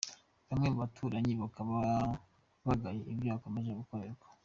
Bamwe mu baturanyi bakaba bagaye ibyo akomeje gukorerwa.